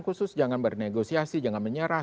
khusus jangan bernegosiasi jangan menyerah